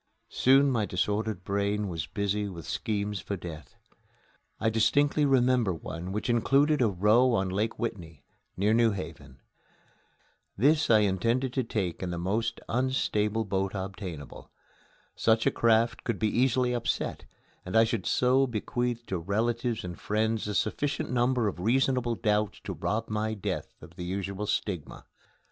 Soon my disordered brain was busy with schemes for death. I distinctly remember one which included a row on Lake Whitney, near New Haven. This I intended to take in the most unstable boat obtainable. Such a craft could be easily upset, and I should so bequeath to relatives and friends a sufficient number of reasonable doubts to rob my death of the usual stigma.